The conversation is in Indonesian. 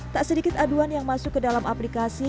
tak sedikit aduan yang masuk ke dalam aplikasi